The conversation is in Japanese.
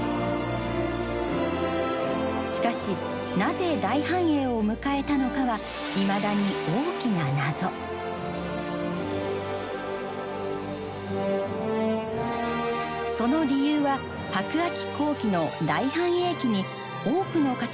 しかしなぜ大繁栄を迎えたのかはいまだにその理由は白亜紀後期の大繁栄期に多くの化石が見つかっているのに対し